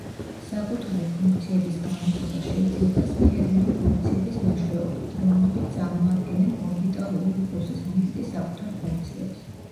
საკუთარი ფუნქციების გამოსახვა შეიძლება სფერული ფუნქციების მეშვეობით რომლებიც წამოადგენენ ორბიტალური იმპულსის მომენტის საკუთარ ფუნქციებს.